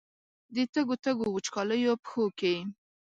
د تږو، تږو، وچکالیو پښو کې